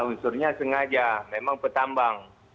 unsurnya sengaja memang petambang